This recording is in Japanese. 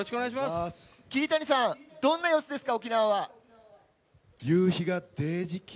桐谷さん、どんな様子ですか？